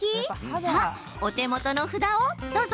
さあ、お手元の札をどうぞ。